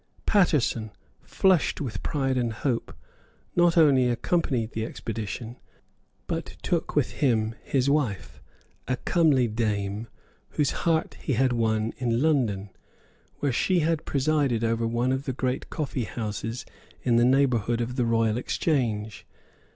Paterson, flushed with pride and hope, not only accompanied the expedition, but took with him his wife, a comely dame, whose heart he had won in London, where she had presided over one of the great coffeehouses in the neighbourhood of the Royal Exchange.